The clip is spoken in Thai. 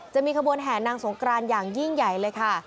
จะมีขบวนแห่นางสงกรานอย่างยิ่งใหญ่เลยค่ะ